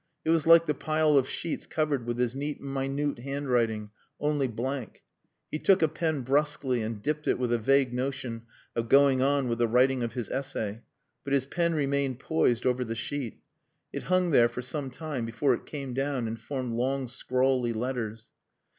It was like the pile of sheets covered with his neat minute handwriting, only blank. He took a pen brusquely and dipped it with a vague notion of going on with the writing of his essay but his pen remained poised over the sheet. It hung there for some time before it came down and formed long scrawly letters.